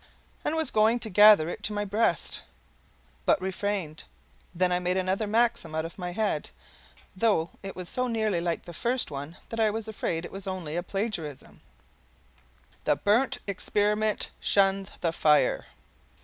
and was going to gather it to my breast. But refrained. Then I made another maxim out of my head, though it was so nearly like the first one that I was afraid it was only a plagiarism: "THE BURNT EXPERIMENT SHUNS THE FIRE."